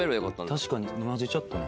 確かに混ぜちゃったな。